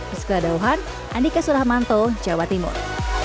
di sekolah dauhan andika sulamanto jawa timur